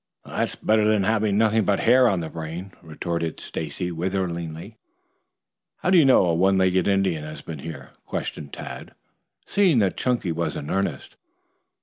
"That's better than having nothing but hair on the brain," retorted Stacy witheringly. "How do you know a one legged Indian has been here?" questioned Tad, seeing that Chunky was in earnest.